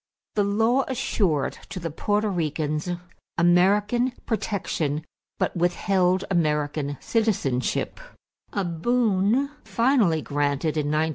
The law assured to the Porto Ricans American protection but withheld American citizenship a boon finally granted in 1917.